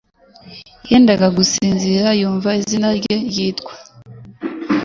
Yendaga gusinzira yumva izina rye ryitwa